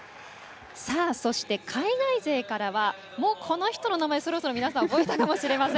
そして海外勢からはこの人の名前、そろそろ覚えたかもしれません。